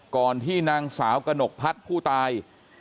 ก่อนที่นางสาวกระหนกพัฒน์ผู้ตาย